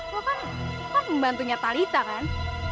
kok kan kan bantunya talita kan